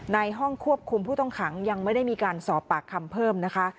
ในห้องควบคุมผู้ต้องขังยังไม่ได้มีการสอบปากคำเพิ่มนะคะ